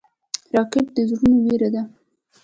راکټ د زړونو وېره ده